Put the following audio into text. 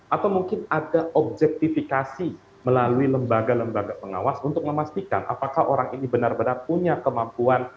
atau mungkin ada objektifikasi melalui lembaga lembaga pengawas untuk memastikan apakah orang ini benar benar punya kemampuan